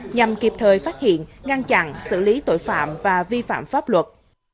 nhằm kịp thời phát hiện ngăn chặn xử lý tội phạm và vi phạm pháp luật